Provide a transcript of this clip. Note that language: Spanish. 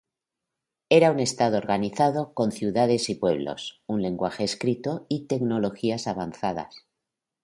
Era un Estado organizado con ciudades y pueblos, un lenguaje escrito y tecnologías avanzadas.